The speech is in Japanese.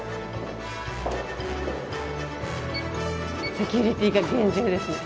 セキュリティーが厳重ですね。